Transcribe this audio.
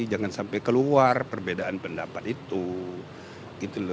jangan sampai keluar perbedaan pendapat itu gitu loh